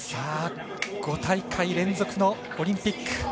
５大会連続のオリンピック。